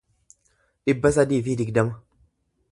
dhibba sadii fi digdama